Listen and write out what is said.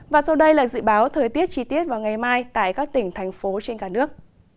và sau đây là dự báo thời tiết chi tiết vào ngày mai tại các tỉnh thành phố trên cả nước